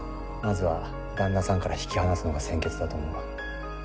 まずは旦那さんから引き離すのが先決だと思う。